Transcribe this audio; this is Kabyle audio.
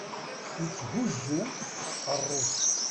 Itthuzzu aqerru-s.